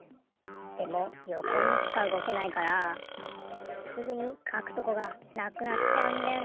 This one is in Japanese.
でもよこにしかうごけないからすぐにかくとこがなくなっちゃうんだよね。